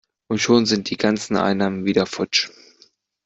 Und schon sind die ganzen Einnahmen wieder futsch!